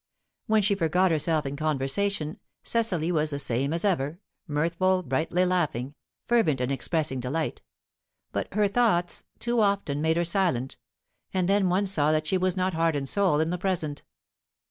When she forgot herself in conversation, Cecily was the same as ever; mirthful, brightly laughing, fervent in expressing delight; but her thoughts too often made her silent, and then one saw that she was not heart and soul in the present.